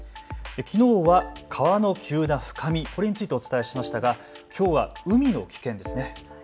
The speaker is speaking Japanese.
きのうは川の急な深み、これについてお伝えしましたがきょうは海の危険ですね。